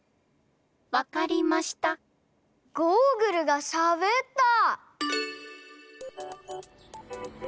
わかりましたゴーグルがしゃべった！？